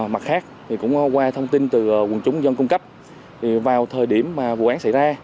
mặt khác qua thông tin từ quân chúng dân cung cấp vào thời điểm vụ án xảy ra